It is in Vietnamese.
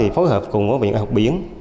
phối hợp cùng với bệnh viện học biển